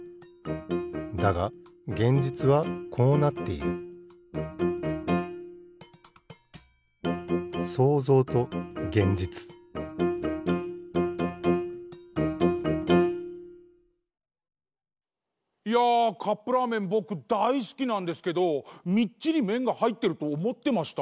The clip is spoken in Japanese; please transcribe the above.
だが現実はこうなっているいやカップラーメンぼくだいすきなんですけどみっちりめんがはいってるとおもってました。